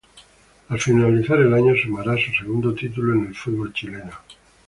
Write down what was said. Al finalizar el año sumará su segundo título en el fútbol chileno.